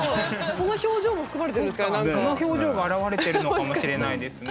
その表情が表れてるのかもしれないですね。